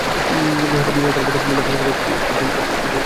হঠাৎ মনে হলো বন্ধু বোথামের সঙ্গে একটু ড্রিংক করে এলে কেমন হয়।